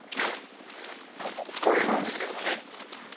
これなんですけどもね。